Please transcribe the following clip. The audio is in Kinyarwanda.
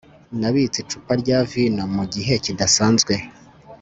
nabitse icupa rya vino mugihe kidasanzwe